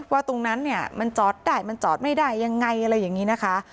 ว่าตรงนั้นเนี่ยมันจอดได้มันจอดไม่ได้ยังไงอะไรอย่างนี้นะคะ